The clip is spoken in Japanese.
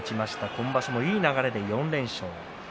今場所もいい流れで４連勝。